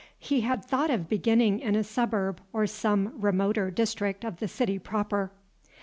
He had thought of beginning in a suburb or some remoter district of the city proper.